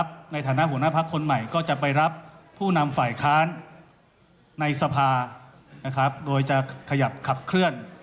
ในฐานะหัวหน้าพักคนใหม่ก็จะไปรับผู้นำฝ่ายค้านในสภาโดยจะขยับขับเคลื่อน